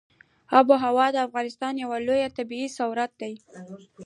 آب وهوا د افغانستان یو لوی طبعي ثروت دی.